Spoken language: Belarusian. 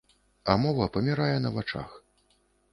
А мова памірае на вачах.